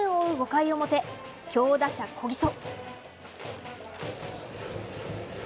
５回表強打者、小木曽。